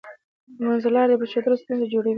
د منځلارۍ پریښودل ستونزې جوړوي.